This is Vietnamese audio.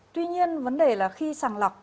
tuy nhiên vấn đề là khi sàng lọc